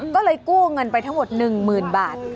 ก็เลยกู้เงินไปทั้งหมด๑๐๐๐บาท